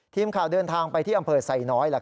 ทีมข่าวเดินทางไปที่อำเภอไซน้อย